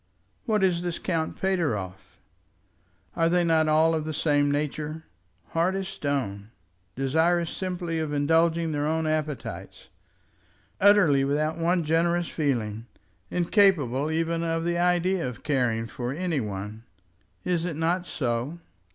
What is this Count Pateroff? Are they not all of the same nature; hard as stone, desirous simply of indulging their own appetites, utterly without one generous feeling, incapable even of the idea of caring for any one? Is it not so?